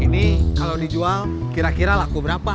ini kalau dijual kira kira laku berapa